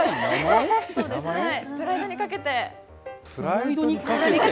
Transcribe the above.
プライドにかけて。